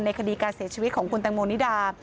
คดีการเสียชีวิตของคุณแตงโมนิดา